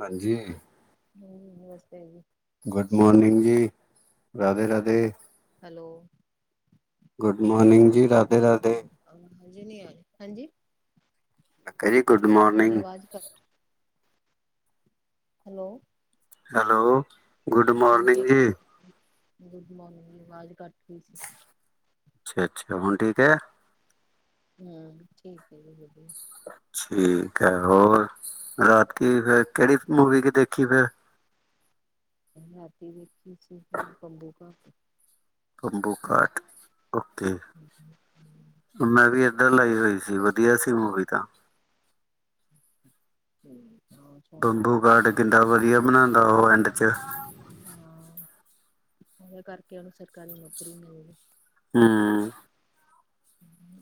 ਹਾਂਜੀ। ਹੂੰ ਨਮਸਤੇ ਜੀ। ਗੁੱਡ ਮੋਰਨਿੰਗ ਜੀ ਰਾਧੇ-ਰਾਧੇ। ਹੈਲੋ। ਗੁੱਡ ਮੋਰਨਿੰਗ ਜੀ ਰਾਧੇ-ਰਾਧੇ ਆ, ਹਜੇ ਨੀ ਆਏ ਹਾਂਜੀ। Very good morning. [unintelligible] Hello. Hello. Good ਹਾਂਜੀ, ਮੋਰਨਿੰਗ ਅਵਾਜ ਜੀ ਕੱਟਗੀ ਗੁੱਡ ਮੋਰਨਿੰਗ ਜੀ ਆਵਾਜ਼ ਸੀ ਅੱਛਾ-ਅੱਛਾ ਹੁਣ ਠੀਕ ਐ। ਹੂੰ ਠੀਕ ਐ ਜੀ ਵਧੀਆ ਠੀਕ ਐ ਹੋਰ ਰਾਤ ਕੀ ਫਿਰ ਕੇੜੀ ਮੂਵੀ ਕਿ ਦੇਖੀ ਫੇਰ ਰਾਤੀ ਵੇਖੀ ਸੀਗੀ ਬੰਬੂਕਾਟ। ਬੰਬੂਕਾਟ ਉਕੇ। ਹੂੰ-ਹੂੰ। ਮੈਂ ਵੀ ਏਧਰ ਲਾਈ ਹੋਈ ਸੀ। ਵਧੀਆ ਸੀ ਮੂਵੀ ਤਾਂ ਹਾਂ ਸੋਹਣੀ ਮੂਵੀ ਬੰਬੂਕਾਟ ਕਿੰਦਾਂ ਵਧੀਆ ਬਣਾਦਾ। ਉਹ ਐਂਡ ਚ ਹਾਂ, ਉਹਦੇ ਕਰਕੇ ਉਹਨੂੰ ਸਰਕਾਰੀ ਨੌਕਰੀ ਮਿਲਦੀ। ਹੂੰ।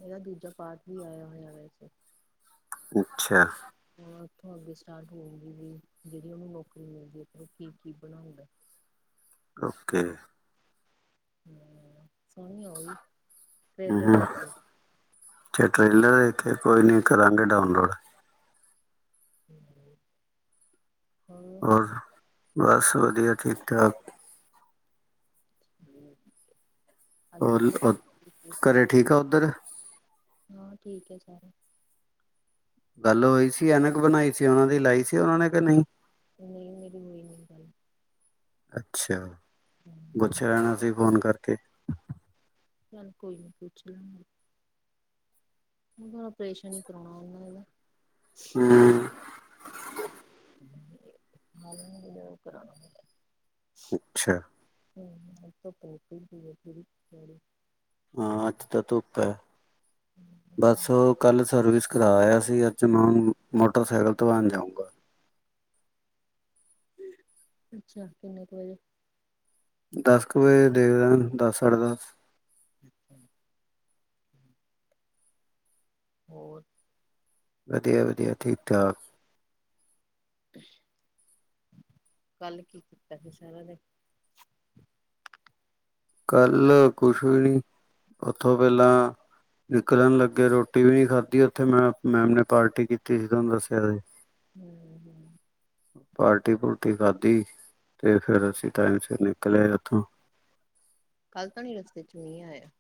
ਇਹਦਾ ਦੂਜਾ ਪਾਰਟ ਵੀ ਆਇਆ ਹੋਇਆ ਵੈਸੇ ਅੱਛਾ ਹ ਉੱਥੋਂ ਅੱਗੇ ਸਟਾਰਟ ਹੋਊਗੀ ਵੀ ਜਿਹੜੀ ਉਨੂੰ ਨੌਕਰੀ ਮਿਲਦੀ ਹੈ ਪਰ ਉਹ ਕੀ ਕੀ ਬਣਾਊਂਗਾ ਓਕੇ ਹਮ ਸੋਹਣੀ ਆਈ। ਅਤੇੇ ਟ੍ਰੇਲਰ ਦੇ ਕੇ ਕੋਈ ਨਹੀਂ ਕਰਾਂਗੇ ਡਾਊਨਲੋਡ ਹਾਂ ਹੋਰ ਬਸ ਵਧੀਆ ਠੀਕ ਠਾਕ ਹਮ ਔਰ ਪੂਰੀ ਘਰ ਠੀਕ ਆ ਉੱਦਰ ਹਾਂ ਠੀਕ ਹੈ ਸਾਰੇ ਗੱਲ ਹੋਈ ਸੀ ਐਨਕ ਬਣਾਈ ਸੀ ਉਹਨਾਂ ਦੀ ਲਾਈ ਸੀ ਉਹਨਾਂ ਨੇ ਕਿ ਨਹੀਂ ਨਹੀਂ ਮੇਰੀ ਹੋਈ ਨ ਗੱਲ ਅੱਛਾ ਹਮ ਪੁੱਛਿਆ ਲੈਣਾ ਸੀ ਫ਼ੋਨ ਕਰਕੇ ਚੱਲ ਕੋਈ ਨੀ ਪੁੱਛ ਲਾਂਗੇ। ੜਾ ਪਰੇਸ਼ਨ ਈ ਕਰਾਉਣਾ ਉਹਨਾ ਇਹਦਾ ਹੂੰ ਕਰ ਅੱਛਾ ਹਮ ਤਾਂ ਪ ਹਾਂ ਅੱਜ ਤਾਂ ਧੁੱਪ ਹੈ ਬਸ ਉਹ ਕੱਲ ਸਰਵਿਸ ਕਰਵਾ ਆਇਆ ਸੀ ਅੱਜ ਮੈਂ ਮੋਟਰਸਾਈਕਲ ਧਆਉਣ ਜਾਊਂਗਾ। ਅੱਛਾ ਕਿੰਨੇ ਕੁ ਵਜੇ ਦਸ ਕੁ ਵਜੇ ਦੇਖਦਾ ਦਸ ਸਾਢੇ ਦਸ ਨ ਹਮ ਹੋਰ ਵਧੀਆ ਵਧੀਆ ਠੀਕ ਠਾਕ ਕੱਲ ਕੀ ਕੀਤਾ ਸੀ ਸਾਰਾ ਦੇ ਕੱਲ ਕੁਛ ਵੀ ਨੀ ਓਥੋਂ ਪੈਲਾਂ ਨਿਕਲਣ ਲੱਗੇ ਰੋਟੀ ਵੀ ਨੀ ਖਾਧੀ ਉੱਥੇ ਮੈਂ ਮੈਮ ਨੇ ਪਾਰਟੀ ਕੀਤੀ ਸੀ ਤੋਨੂੰ ਦੱਸਿਆ ਸੀ ਹਮ ਹਮ ਪਾਰਟੀ ਪੁਰਟੀ ਖਾਧੀ ਤੇ ਫੇਿਰ ਅਸੀਂ ਟਾਈਮ ਸਿਰ ਨਿਕਲਿਆ ਉੱਥੋਂ ਕੱਲ ਤਾਂ ਨੀ ਰਸਤੇ ਚ ਮੀਂਹ ਆਇਆ।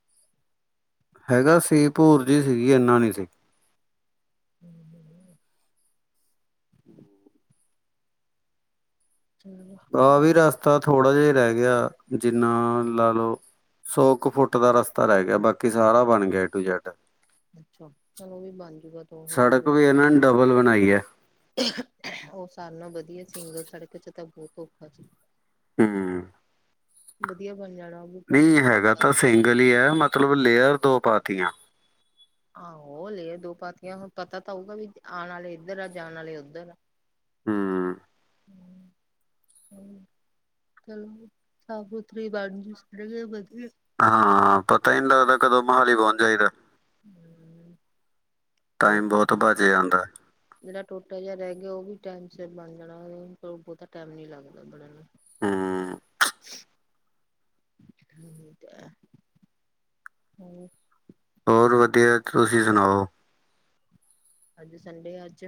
ਹੈਗਾ ਸੀ ਭੂਰ ਜੀ ਸੀਗੀ ਇੰਨਾ ਨਹੀਂ ਸੀ। ਚਲੋ ਆਹ ਵੀ ਰਸਤਾ ਥੋੜਾ ਜਿਹਾ ਰਹਿ ਗਿਆ ਜਿੰਨਾ ਲਾ ਲਓ। ਸੌ ਇੱਕ ਫੁੱਟ ਦਾ ਰਸਤਾ ਰਹਿ ਗਿਆ ਬਾਕੀ ਸਾਰਾ ਬਣ ਗਿਆ ਏ ਟੂ ਜੈੱਡ। ਅੱਛਾ ਚਲੋ ਵੀ ਬਣ ਜਾਊਗਾ ਤੂੰ ਹੌਲੀ ਸੜਕ ਹੌਲੀ ਵੀ ਇਹਨਾਂ ਨੇ ਡਬਲ ਬਣਾਈ ਐ। ਉਹ ਸਾਲ ਨਾਲ ਵਧੀਆ ਸਿੰਗਲ ਸੜਕ ਚ ਤਾਂ ਬਹੁਤ ਔਖਾ ਸੀ। ਹਮ ਵਧੀਆ ਬਣ ਜਾਣਾ ਵੀ ਤਾਂ ਨਹੀਂ ਹੈਗਾ ਹਫ਼ਤਾ ਤਾਂ ਸਿੰਗਲ ਹੀ ਹੈ ਮਤਲਬ ਲੇਅਰ ਦੋ ਪਾਤੀਆਂ ਆਹੋ ਲੇ ਆ ਰ ਦੋ ਪਾਤੀਆਂ ਹੁਣ ਪਤਾ ਤਾਂ ਹੋਊਗਾ ਵੀ ਆਉਣ ਵਾਲੇ ਇੱਦਰ ਆ ਜਾਣ ਵਾਲੇ ਉੱਦਰ ਆ। ਹਮ ਹਮ ਹਮ ਚਲੋ ਸਾਫ਼ ਸੁਥਰੀ ਬਣ ਸੜ ਵਧੀਆ ਹਾਂ ਪਤਾ ਹੀ ਨਹੀਂ ਲੱਗਦਾ ਕਦੋਂ ਮੋਹਾਲੀ ਪਹੁੰਚ ਜਾਈਦਾ। ਜਿਹੜਾ ਟਾਈਮ ਬਹੁਤ ਟੋਟਲ ਬਚ ਜਾਂਦਾ। ਜਿਹੜਾ ਟੋਟਾ ਜਿਹਾ ਰਹਿ ਗਿਆ ਉਹ ਵੀ ਟੈਮ ਸ ਬਣ ਜਾਣਾ ਬਹੁਤਾ ਟੈਮ ਨੀ ਲੱਗਦਾ ਬਣਨ ਨੂੰ ਹੂੰ [unintelligible] ਹੋਰ ਵਧੀਆ ਤੁਸੀਂ ਸੁਣਾਓ ਅੱਜ ਸੰਡੇ ਅੱਜ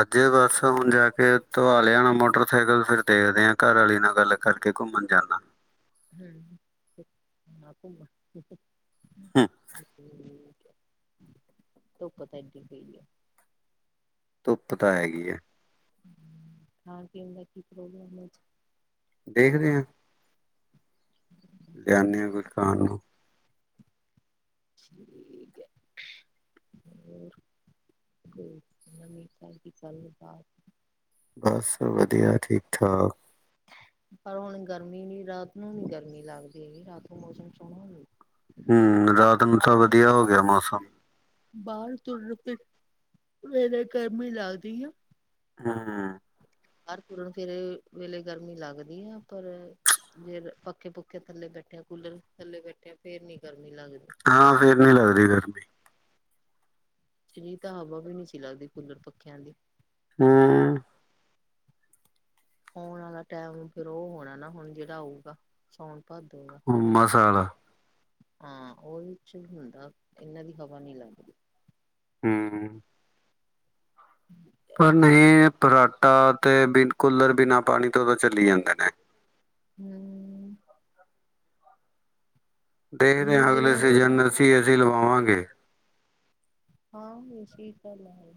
ਅੱਜ ਬਸ ਹੁਣ ਜਾ ਕੇ ਧ ਆ ਲਿਆਣਾ ਮੋਟਰਸਾਈਕਲ ਫਿਰ ਦੇਖਦੇ ਆਾਂ ਘਰ ਵਾਲੀ ਨਾਲ ਗੱਲ ਕਰਕੇ ਘੁੰਮਣ ਜਾਂਦਾ ਹੂੰ [unintelligible] ਹੂੰ ਠੀਕ ਧੁੱਪ ਤਾਂ ਏਡੀ ਪਰ ਆ ਧੁੱਪ ਤਾਂ ਹੈਗੀ ਐ ਹਾਂ ਤੇ ਦਾ ਕੀ ਪ੍ਰੋਗਰਾਮ ਹੈ ਅੱਜ ਦੇਖਦੇ ਆਂ ਲਿਆਦੇ ਹਾਂ ਕੁਝ ਖਾਣ ਨੂੰ ਠੀਕ ਐ ਹੋਰ ਨਵੀ ਤਾ ਦੀ ਗੱਲਬਾਤ ਬਸ ਵਧੀਆ ਠੀਕ ਠਾਕ ਪਰ ਹੁਣ ਗਰਮੀ ਨੀ ਰਾਤ ਨੂੰ ਨੀ ਗਰਮੀ ਲੱਗਦੀ ਹੈਗੀ ਰਾਤ ਨੂੰ ਮੌਸਮ ਸੋਹਣਾ ਹੁੰਦਾ ਹੂੰ ਰਾਤ ਨੂੰ ਤਾਂ ਵਧੀਆ ਹੋ ਗਿਆ ਮੌਸਮ ਬਾਹਰ ਤੁਰਨ ਫਿਰਨ ਵੇਲੇ ਗਰਮੀ ਲੱਗਦੀ ਆ ਹੂੰ ਹੂੰ ਹਰ ਤੁਰਨ ਫਿਰਨ ਵੇਲੇ ਗਰਮੀ ਲੱਗਦੀ ਆ ਪਰ ਜੇ ਪੱਖੇ ਪੁੁੱਖੇ ਥੱਲੇ ਬੈਠੇਿਆ ਕੂਲਰ ਥੱਲੇ ਬੈਠੇਿਆ ਫੇਰ ਨੀ ਗਰਮੀ ਲੱਗਦੀ ਹਾਂ ਫੇਰ ਨੀ ਲੱਗਦੀ ਗਰਮੀ ਨੀ ਤਾਂ ਹਵਾ ਵੀ ਨਹੀਂ ਸੀ ਲੱਗਦੀ ਕੁਲਰ ਪੱਖਿਆਂ ਦੀ ਹੂੰ ਆਉਣ ਵਾਲਾ ਟਾਈਮ ਫੇਰ ਉਹ ਹੋਣਾ ਨਾ ਹੁਣ ਜਿਹੜਾ ਆਊਗਾ ਸਾਉਣ ਭਾਦੋ ਦਾ ਮਸਾਲਾ ਹਾਂ ਉਹਦੇ ਚ ਹੁੰਦਾ ਇਹਨਾਂ ਦੀ ਹਵਾ ਨੀ ਲੱਗਦੀ ਹੂੰ [unintelligible] ਪਰ ਨਹੀਂ ਫਰਾਟਾਂ ਤੇ ਬਿਨਾਂ ਕੂਲਰ ਬਿਨਾਂ ਪਾਣੀ ਤੋਂ ਤਾਂ ਚੱਲ ਜਾਂਦੇ ਨੇ [unintelligible] ਦੇਖਦੇ ਨਹੀਂ ਹਾਂ ਜਿਵੇਂ ਅਗਲੇ ਹੁਣ ਸੋਹਣੀ ਸੀਜਨ ਹਵਾ ਅਸੀਂ ਏ ਲੱਗਦੀ ਸੀ ਲਵਾਵਾਂਗੇ ਹਾਂ ਵੀ ਸਹੀ ਗੱਲ ਐ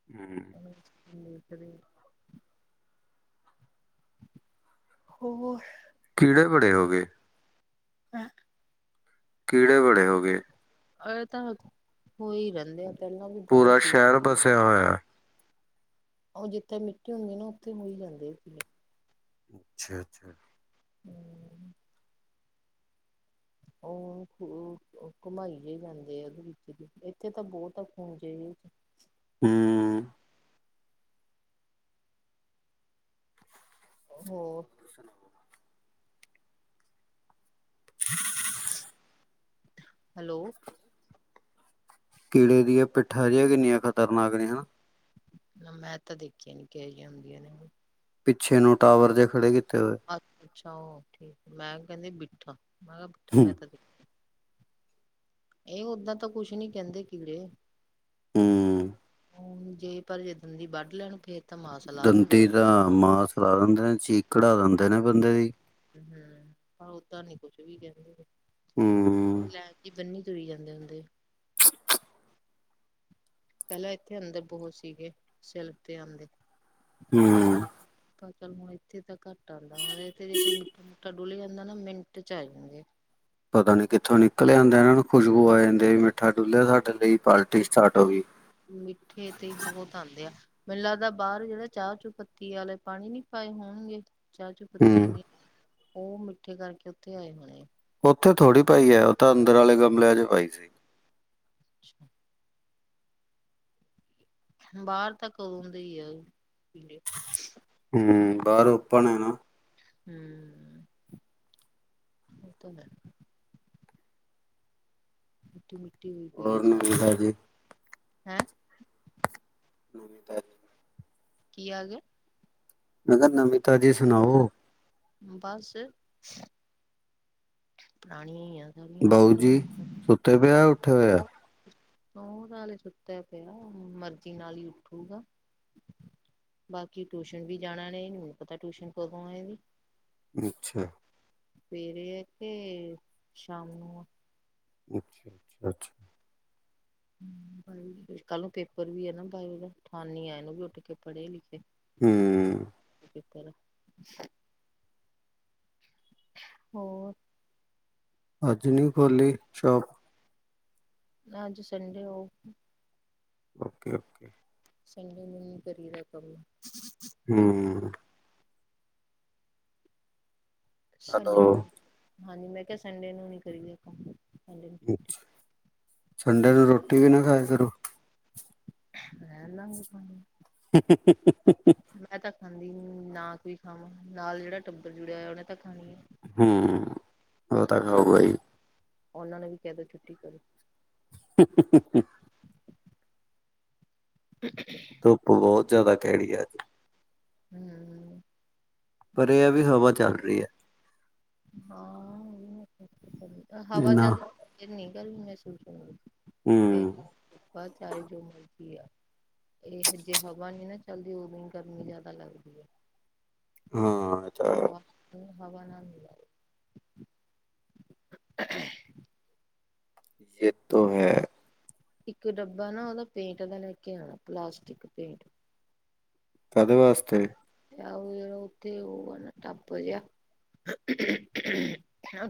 [unintelligible] [unintelligible] [inaudible] ਹੋਰ ਕੀੜੇ ਬੜੇ ਹੋ ਗਏ [unintelligible] ਕੀੜੇ ਬੜੇ ਹੋ ਗਏ ਅ ਤਾਂ ਹੋ ਹੀ ਰਹਿੰਦੇ ਆ ਪਹਿਲਾਂ ਵੀ ਬਹੁਤ ਪੂਰਾ ਸੀ ਸ਼ਹਿਰ ਵਸਿਆ ਹੋਇਆ ਉਹ ਜਿੱਥੇ ਮਿੱਟੀ ਹੁੰਦੀ ਨਾ ਉੱਥੇ ਹੋ ਹੋਈ ਜਾਂਦੇ ਅੱਛਾ ਅੱਛਾ [unintelligible] ਉਹ ਘੁਮਾਈ ਜੇ ਜਾਂਦੇ ਉਹਦੇ ਵਿੱਚ ਵੀ ਇੱਥੇ ਤਾਂ ਬਹੁਤ ਆ [unintelligible] ਹੂੰ ਹੋਰ [unintelligible] [unintelligible] ਹੈਲੋ ਕੀੜੇ ਦੀਆਂ ਪਿੱਠਾਂ ਜਿਹੀਆਂ ਕਿੰਨੀਆਂ ਖ਼ਤਰਨਾਕ ਨੇ ਹਨਾ ਨਾ ਮੈਂ ਤਾਂ ਦੇਖੀਆਂ ਨੀ ਕਿਹੀਆਂ ਹੁੰਦੀਆਂ ਨੇ ਪਿੱਛੇ ਨੂੰ ਟਾਵਰ ਜ ਖੜੇ ਕੀਤੇ ਹੋਏ ਆ ਅੱਛਾ ਉਹ ਠੀਕ ਹੈ ਮੈਂ ਕਿਹਾ ਕਹਿੰਦੀ ਬਿੱਠਾ ਮੈਂ ਕਿਹਾ ਬਿੱਠਾ ਹੂੰ, ਮੈਂ ਤਾਂ ਇਹ ਓਦਾਂ ਤਾਂ ਕੁਛ ਨੀ ਕਹਿੰਦੇ ਕੀੜੇ ਹਮ ਹ ਜੇ ਪਰ ਜੇ ਦੰਦੀ ਵੱਢ ਲੈਣ ਫਿਰ ਦੰਦੀ ਦਾ ਮਾਸ ਲਾ ਦਿੰਦੇ ਨੇ ਚੀਕ ਕਢਾ ਦਿੰਦੇ ਨੇ ਬੰਦੇ ਦੀ ਹਮ ਓਦਾ ਨੀ ਕੁਛ ਵੀ ਕਹਿੰਦੇ ਹੂੰ, ਲੈ ਕੇ ਬੰਨੀ ਚਰੀ ਜਾਂਦੇ ਹੁੰਦੇ ਪਹਿਲਾਂ ਇੱਥੇ ਅੰਦਰ ਬਹੁਤ ਸੀਗੇ ਸਿਲਕ ਤੇ ਆਉਂਦੇ ਹਮ ਪ ਚੱਲ ਹੁਣ ਇੱਥੇ ਤਾਂ ਘੱਟ ਆਉਂਦਾ ਹ ਇਥੇ ਜੇ ਕੋਈ ਮਿੱਠਾ ਡੁਲੀ ਜਾਂਦਾ ਨਾ ਮਿੰਟ ਚ ਆ ਜਾਂਦੇ ਪਤਾ ਨੀ ਕਿੱਥੋਂ ਨਿਕਲ ਜਾਂਦਾ ਇਹ ਨੂੰ ਖੁਸ਼ਬੂ ਆ ਜਾਂਦੀ ਮਿੱਠਾ ਡੁਲਿਆ ਸਾਡੇ ਲਈ ਪਾਰਟੀ ਇੱਥੇ ਸਟਾਰਟ ਹੋ ਗਈ ਮਿੱਠੇ ਤੇ ਬਹੁਤ ਆਉਂਦੇ ਆ ਮੈਨੂੰ ਲੱਗਦਾ ਬਾਹਰ ਜਿਹੜੇ ਚਾਹ ਚੂ ਪੱਤੀ ਵਾਲੇ ਪਾਣੀ ਨੀ ਪਾਏ ਹੋਣਗੇ ਚਾਹ ਚ ਪਤੀਆਂ ਹੂੰ, ਜੀ ਉਹ ਮਿੱਠੇ ਕਰਕੇ ਉੱਥੇ ਆਏ ਹੋਣੇ ਉੱਥੇ ਥੋੜੀ ਪਾਈ ਹੈ ਉਹ ਤਾਂ ਅੰਦਰ ਵਾਲੇ ਗਮਲਿਆਂ ਚ ਪਾਈ ਸੀ। ਅੱਛਾ ਬਾਹਰ ਤਾਂ ਕਦੋਂ ਦੇ ਹੀ ਆ ਹਮ ਬਾਰ ਉਪਣ ਨਾ ਹਮ ਮਿੱਟੀ ਮਿੱਟੀ ਹੋਈ ਪਈ ਹੈ ਹੋਰ ਸਨ ਨਵੀ ਤਾਜੀ। [inaudible] ਕੀ ਹਾਲ ਹੈ। ਮੈਂ ਕਿਹਾ ਨਵੀ ਤਾਜ਼ੀ ਸੁਣਾਓ ਬਸ ਪੁਰਾਣੀਆਂ ਹੀਆਂ ਸਾਰੀਆਂ ਤੇ ਵਿਆਹ ਉੱਠੇ ਹੋਇਆ ਸਹ ਨਾਲ ਹੀ ਸੁੱਤਿਆ ਪਿਆ ਮਰਜ਼ੀ ਨਾਲ ਹੀ ਉੱਠੂਗਾ ਬਾਕੀ ਟਿਊਸ਼ਨ ਵੀ ਜਾਣਾ ਨੇ ਮੈਨੂੰ ਪਤਾ ਟਿਊਸ਼ਨ ਕਦੋਂ ਆਏ ਵੀ ਅੱਛਾ ਸਵੇਰੇ ਆ ਕੇ ਸ਼ਾਮ ਨੂੰ ਅੱਛਾ ਅੱਛਾ ਕੱਲ ਨੂੰ ਪੇਪਰ ਵੀ ਆ ਨਾ ਬਾਈ ਠਾਨੀ ਆ ਨੂੰ ਵੀ ਉੱਠ ਕੇ ਪੜ੍ਹੇ ਲਿਖੇ ਹਮ [unintelligible] ਹੋਰ ਅਜ ਨੀ ਖੋਲੀ ਸ਼ੋਪ ਅੱਜ ਸੰਡੇ ਹੋ। ਓਕੇ ਓਕੇ ਸੰਡ ਮਨ ਕਰੀ ਰੱਖ ਹਮ ਸੰਡੇ ਹੈਲੋ ਨੂੰ ਹਾਂਜੀ ਮੈਂ ਕਿਹਾ ਸੰਡੇ ਨੂੰ ਨੀ ਕਰੀਗਾ ਕੰਮ ਸੰਡੇ ਨੂੰ ਛੁੱਟੀ ਅੱਛਾ ਸੰਡੇ ਨੂੰ ਰੋਟੀ ਵੀ ਨਾ ਖਾਏ ਕਰੋ [unintelligible] [inaudible] ਮੈਂ ਤਾਂ ਖਾਂਦੀ ਨਹੀ ਨਾ ਵੀ ਖਾਵਾਂ ਨਾਲ ਜਿਹੜਾ ਟੱਬਰ ਜੁੜਿਆ ਹੋਇਆ ਉਹਨੇ ਤਾਂ ਖਾਣੀ ਆ [unintelligible] ਉਨਾਂ ਨੇ ਵੀ ਕਹਤਾ ਛੁੱਟੀ ਕਰੋ। [inaudible] [inaudible] ਧੁੱਪ ਬਹੁਤ ਜ਼ਿਆਦਾ ਕਹਿੜੀ ਆ ਅੱਜ। ਹਮ। ਪਰ ਇਹ ਵੀ ਹਵਾ ਚੱਲ ਰਹੀ ਹੈ। ਹਾਂ ਹਵਾ ਇੰਨਾ ਚਦੀ ਇਨੀ ਗਰਮੀ ਮਹਿਸੂਸ ਹੋ। ਤੇ ਹੂੰ ਬਾਹ ਚਾਰੇ ਜੋ ਮਰਜ਼ੀ ਆ- ਇਹ ਜੇ ਹਵਾ ਨੀ ਨਾ ਚਲਦੀ ਉਹ ਦਿਨ ਗਰਮੀ ਜਿਆਦਾ ਲੱਗਦੀ ਹੈ। ਹਾਂ ਤਾਂ- ਹਵਾ ਨਾਲ ਨਹੀਂ ਆ ਰਹੀ। ਯਹ ਤੋ ਹੈ। ਇੱਕ ਡੱਬਾ ਨਾ ਉਹਦਾ ਪੇਂਟ ਦਾ ਲੈ ਕੇ ਆਉਣਾ ਪਲਾਸਟਿਕ ਪੇਂਟ। ਕਦੇ ਵਾਸਤੇ। ਆ ਉਹ ਜਿਹੜਾ ਉਥੇ ਉਹ ਟੱਪ ਜਿਹਾ-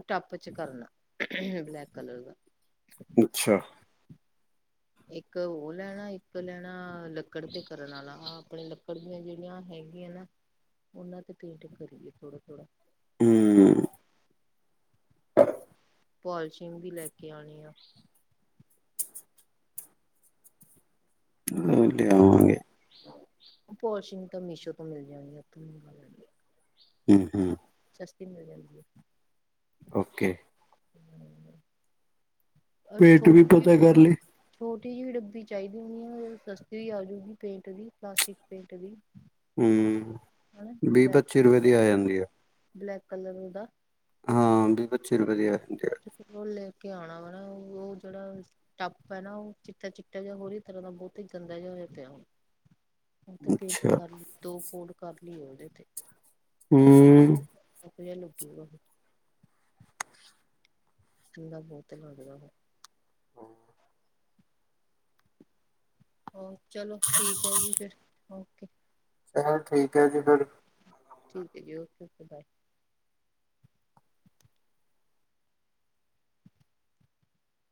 ਟੱਪ ਚ ਕਰਨਾ। ਬਲੈਕ ਕਲਰ ਦਾ ਅੱਛਾ ਇੱਕ ਉਹ ਲੈਣਾ ਇੱਕ ਲੈਣਾ ਲੱਕੜ ਤੇ ਕਰਨ ਵਾਲਾ ਆ ਆਪਣੇ ਲੱਕੜ ਦੀਆਂ ਜਿਹੜੀਆਂ ਹੈਗੀਆਂ ਨਾ ਉਹਨਾਂ ਤੇ ਪੇਂਟਿੰਗ ਕਰੀਏ ਥੋੜਾ ਥੋੜਾ ਹਮ ਪਲਸ਼ਮ ਵੀ ਲੈ ਕੇ ਆਉਣੀ ਆ ਹਮ ਲਿਆਵਾਂਗੇ ਪੋਸ਼ਿੰਗ ਤਾਂ ਮੀਸ਼ੋ ਤੋਂ ਮਿਲ ਜਾਣੀ ਉਥੋਂ ਲ ਹਮ ਹਮ ਸਸਤੀ ਮਿਲ ਜਾਂਦੀ ਹੈ ਓਕੇ [unintelligible] ਪੇਟ ਛੋਟ ਵੀ ਪਤਾ ਕਰ ਲਈ [inaudible] ਛੋਟੀ ਜਿਹੀ ਡੱਬੀ ਚਾਹੀਦੀ ਸੀ ਹੈ ਸਸਤੀ ਵੀ ਆਜੂਗੀ ਪੇਂਟ ਦੀ ਪਲਾਸਟਿਕ ਪੇਂਟ ਦੀ ਹਮ ਹਨਾ ਵੀਹ ਪੱਚੀ ਰੁਪਏ ਬਲੈਕ ਦੀ ਆ ਜਾਂਦੀ ਹੈ ਬਲੈਕ ਕਲਰ ਉਹਦਾ ਹਾਂ ਵੀ ਪੱਚੀਰ ਵਧੀਆ ਹੁੰ ਉਹ ਲੈ ਕੇ ਆਉਣਾ ਵਾ ਉਹ ਜਿਹੜਾ ਟੱਪ ਹੈ ਨਾ ਉਹ ਚਿੱਟਾ-ਚਿੱਟਾ ਜਿਹਾ ਹੋਰ ਹੀ ਤਰਾਂ ਦਾ ਬਹੁਤ ਹੀ ਗੰਦਾ ਜਿਹਾ ਹੋਇਆ ਪਿਆ ਹੁਣ। ਉਹ ਤੇ ਪੇਂਟ ਅੱਛਾ ਕਰ ਦੋ ਕੋੋਡ ਕਰ ਲਈਏ ਉਹਦੇ ਤੇ। ਹੂੰ। ਆਪਣੇਆਂ ਲਭੂਗਾ ਫੇਰ। ਚੰਗਾ ਬੋਹਤ ਲਾਗਦਾ ਵਾ। ਹੋਰ ਚਲੋ ਠੀਕ ਹੈ ਜੀ ਫਿਰ ਓਕੇ। ਚੱਲ ਠੀਕ ਹੈ ਜੀ ਫਿਰ। ਠੀਕ ਹੈ ਜੀ ਓਕੇ ਓਕੇ ਬਾਏ।